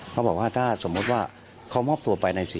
เขาบอกว่าถ้าสมมุติว่าเขามอบตัวไปใน๔